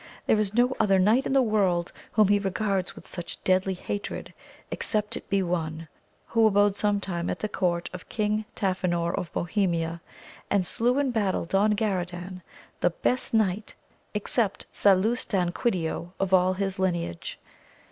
there is no other knight in the world whom he regards with such deadly hatred except it be one, who abode sometime at the court of King Tafinor of Bohemia, and slew in battle Don Garadan, the best knight except Salustanquidio of all his lineage.